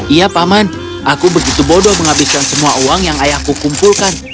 iya paman aku begitu bodoh menghabiskan semua uang yang ayahku kumpulkan